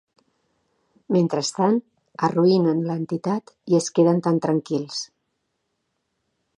Mentrestant arruïnen l’entitat i es queden tan tranquils.